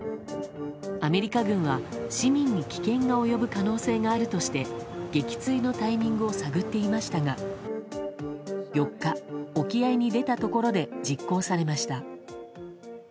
アメリカ軍は、市民に危険が及ぶ可能性があるとして撃墜のタイミングを探っていましたが４日、沖合に出たところで実行されました。